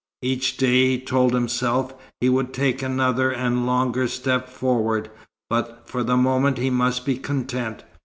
Each day, he told himself, he would take another and longer step forward; but for the moment he must be content.